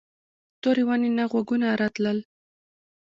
تورې ونې نه غږونه راتلل.